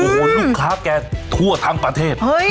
โอ้โหลูกค้าแกทั่วทั้งประเทศ